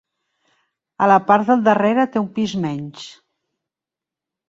A la part del darrere té un pis menys.